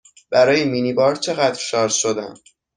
برای مینی بار چقدر شارژ شدم؟